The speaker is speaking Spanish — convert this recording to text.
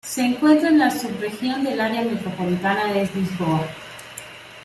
Se encuentra en la subregión del Área Metropolitana de Lisboa.